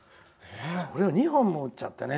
それを２本も打っちゃってね。